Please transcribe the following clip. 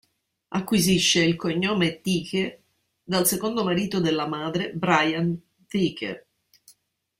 Acquisisce il cognome Thicke dal secondo marito della madre Brian Thicke.